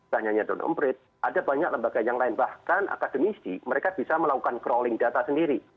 tanya tanya don ombrit ada banyak lembaga yang lain bahkan akademisi mereka bisa melakukan crawling data sendiri